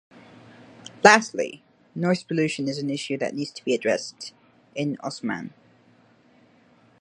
Lastly, noise pollution is an issue that needs to be addressed in Usmann.